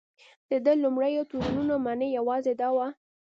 د دې لومړیو تورونو معنی یوازې دا وه.